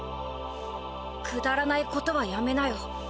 くだらないことはやめなよ。